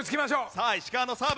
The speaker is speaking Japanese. さあ石川のサーブ。